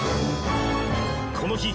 この日